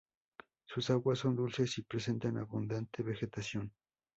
Sus aguas son dulces y presentan abundante vegetación.